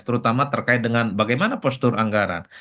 terutama terkait dengan bagaimana postur anggaran